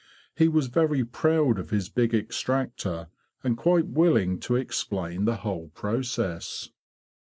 He was very proud of his big extractor, and quite willing to explain the whole process.